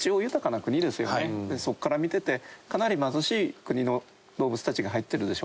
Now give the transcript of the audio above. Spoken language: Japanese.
そこから見ててかなり貧しい国の動物たちが入ってるでしょ。